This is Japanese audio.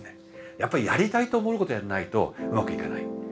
やっぱりやりたいと思うことやんないとうまくいかない。